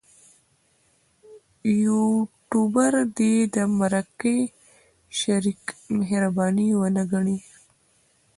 یوټوبر دې د مرکه شریک مهرباني ونه ګڼي.